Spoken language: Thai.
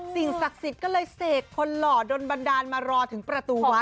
สิ่งศักดิ์สิทธิ์ก็เลยเสกคนหล่อโดนบันดาลมารอถึงประตูวัด